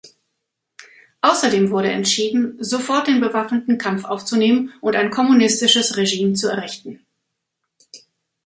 Außerdem wurde entschieden, sofort den bewaffneten Kampf aufzunehmen und ein kommunistisches Regime zu errichten.